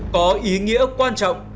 có ý nghĩa quan trọng